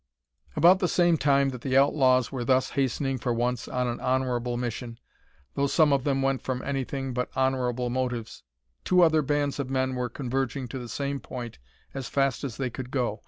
About the same time that the outlaws were thus hastening for once on an honourable mission though some of them went from anything but honourable motives two other bands of men were converging to the same point as fast as they could go.